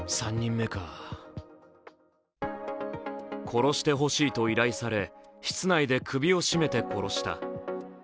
殺してほしいと依頼され、室内で首を絞めて殺した。